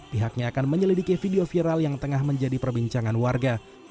pihaknya akan menyelidiki video viral yang tengah menjadi perbincangan warga